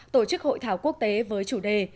tổ chức hội thảo quốc tế với chủ đề